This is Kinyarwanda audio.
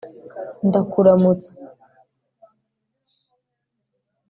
ndakuramutsa